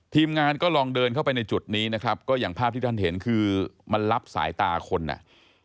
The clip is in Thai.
ทีมงานก็ลองเดินเข้าไปในจุดนี้นะครับก็อย่างภาพที่ท่านเห็นคือมันรับสายตาคนอ่ะ